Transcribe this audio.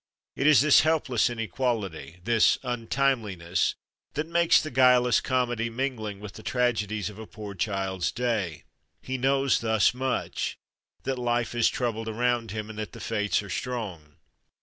It is this helpless inequality this untimeliness that makes the guileless comedy mingling with the tragedies of a poor child's day. He knows thus much that life is troubled around him and that the fates are strong.